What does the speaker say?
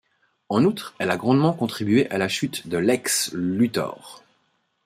En outre, elle a grandement contribué à la chute de Lex Luthor.